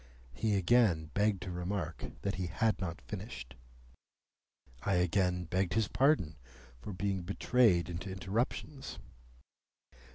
He again begged to remark that he had not finished. I again begged his pardon for being betrayed into interruptions.